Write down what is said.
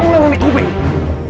tidak tidak tidak